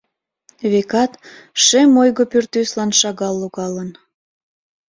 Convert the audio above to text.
Векат, шем ойго пӱртӱслан шагал логалын.